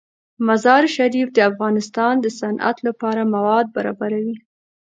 مزارشریف د افغانستان د صنعت لپاره مواد برابروي.